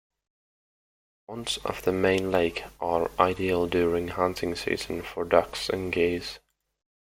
Ponds off the main lake are ideal during hunting season for ducks and geese.